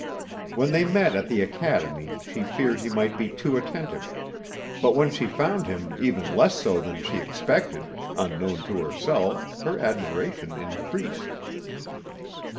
When they met at the academy she feared he might be too attentive, but when she found him even less so than she expected, unknown to herself, her admiration increased.